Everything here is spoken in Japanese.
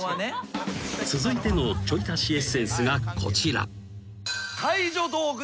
［続いてのちょい足しエッセンスがこちら］